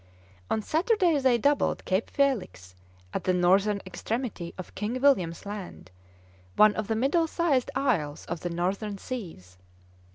On Saturday they doubled Cape Felix at the northern extremity of King William's Land, one of the middle sized isles of the northern seas.